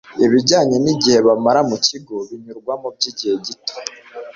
ibijyanye n igihe bamara mu bigo binyurwamo by igihe gito